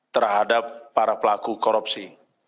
terhadap para pelaku korupsi